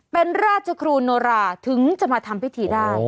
เป็นราชครูโนราถึงจะมาทำพิธีได้